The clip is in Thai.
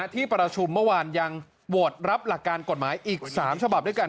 ที่ประชุมเมื่อวานยังโหวตรับหลักการกฎหมายอีก๓ฉบับด้วยกัน